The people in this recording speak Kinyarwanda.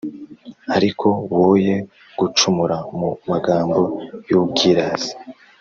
ariko woye gucumura mu magambo y’ubwirasi.